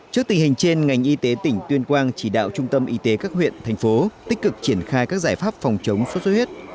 trước tình hình trên ngành y tế tỉnh tuyên quang chỉ đạo trung tâm y tế các huyện thành phố tích cực triển khai các giải pháp phòng chống xuất xuất huyết